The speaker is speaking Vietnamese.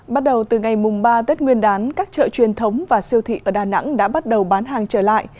bắt đầu từ ngày mùng ba tết nguyên đán các chợ truyền thống và siêu thị ở đà nẵng đã bắt đầu bán hàng trở lại